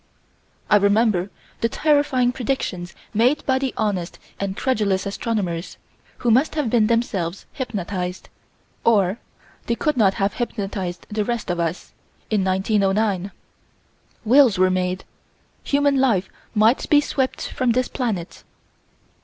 I remember the terrifying predictions made by the honest and credulous astronomers, who must have been themselves hypnotized, or they could not have hypnotized the rest of us, in 1909. Wills were made. Human life might be swept from this planet.